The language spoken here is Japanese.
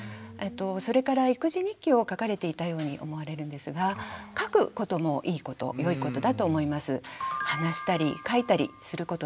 それから育児日記を書かれていたように思われるんですが書くこともいいこと良いことだと思います。